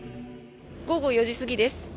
午後４時過ぎです。